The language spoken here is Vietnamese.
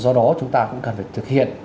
do đó chúng ta cũng cần phải thực hiện